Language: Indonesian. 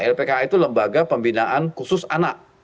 lpka itu lembaga pembinaan khusus anak